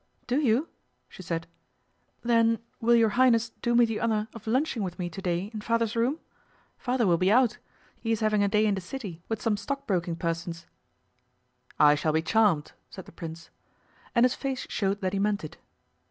'Do you?' she said. 'Then will your Highness do me the honour of lunching with me today in Father's room? Father will be out he is having a day in the City with some stockbroking persons.' 'I shall be charmed,' said the Prince, and his face showed that he meant it.